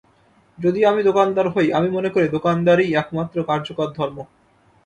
যদি আমি দোকানদার হই, আমি মনে করি, দোকানদারিই একমাত্র কার্যকর ধর্ম।